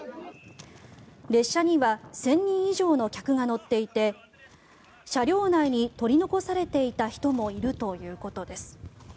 列車には１０００人以上の客が乗っていて車両内に取り残されていた人もいるということです。